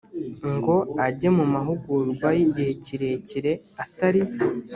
ngo ajye mu mahugurwa y igihe kirekire atari